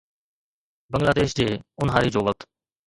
بنگلاديش جي اونهاري جو وقت